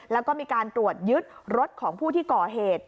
แล้วก็มีการตรวจยึดรถของผู้ที่ก่อเหตุ